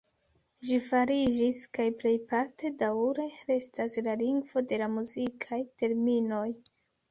Ĝi fariĝis kaj plejparte daŭre restas la lingvo de la muzikaj terminoj.